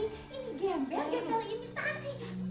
ini gembel gembel imitasi